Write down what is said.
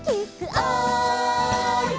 「おい！」